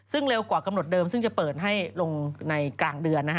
ซึ่งเร็วกว่ากำหนดเดิมซึ่งจะเปิดให้ลงในกลางเดือน